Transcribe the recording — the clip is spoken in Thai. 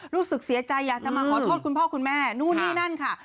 รู้สึกเสียใจอยากจะมาขอโทษคุณพ่อคุณแม่นู่นนี่นั่นค่ะ